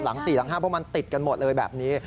หลังสี่หลังห้าพวกมันติดกันหมดเลยแบบนี้